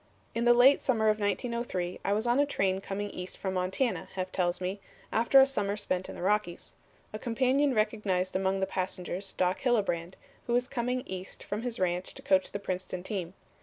"In the late summer of 1903, I was on a train coming east from Montana," Heff tells me, "after a summer spent in the Rockies. A companion recognized among the passengers Doc Hillebrand, who was coming East from his ranch to coach the Princeton team.